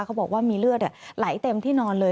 เขาบอกว่ามีเลือดไหลเต็มที่นอนเลย